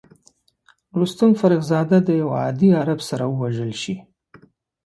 رستم فرخ زاد د یوه عادي عرب سره وژل شي.